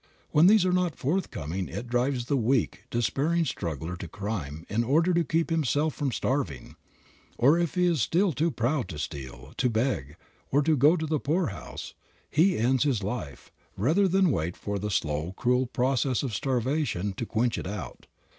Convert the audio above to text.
When these are not forthcoming it drives the weak, despairing struggler to crime in order to keep himself from starving, or if he is still too proud to steal, to beg, or to go to the poorhouse he ends his life, rather than wait for the slow cruel process of starvation to quench it out.